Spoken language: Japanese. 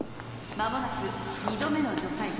間もなく２度目の除細動。